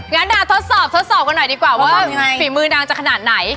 งั้นมาทดสอบทดสอบกันหน่อยดีกว่าว่าฝีมือนางจะขนาดไหน